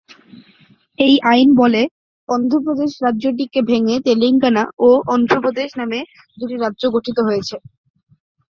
এই আইন বলে অন্ধ্রপ্রদেশ রাজ্যটিকে ভেঙে তেলেঙ্গানা ও অন্ধ্রপ্রদেশ নামে দুটি রাজ্য গঠিত হয়েছে।